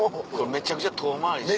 めちゃくちゃ遠回りして。